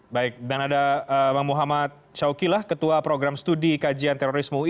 baik dan ada bang muhammad syaukilah ketua program studi kajian terorisme ui